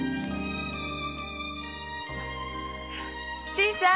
新さん！